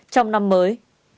trong năm mới